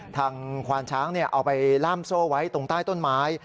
ควานช้างเอาไปล่ามโซ่ไว้ตรงใต้ต้นไม้